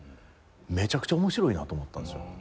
めちゃくちゃ面白いなと思ったんですよ。